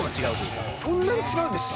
そんなに違うんですか。